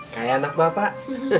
kayak anak bapak